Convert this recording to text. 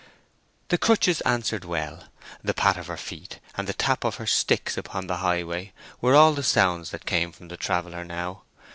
The crutches answered well. The pat of her feet, and the tap of her sticks upon the highway, were all the sounds that came from the traveller now.